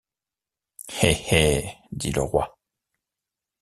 Hé! hé ! dit le roi.